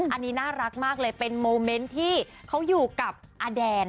อันนี้น่ารักมากเลยเป็นโมเมนต์ที่เขาอยู่กับอาแดน